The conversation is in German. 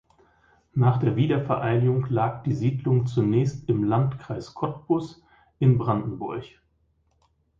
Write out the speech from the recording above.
Nach der Wiedervereinigung lag die Siedlung zunächst im "Landkreis Cottbus" in Brandenburg.